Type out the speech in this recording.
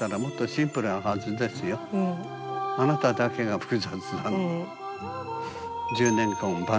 あなただけが複雑なの。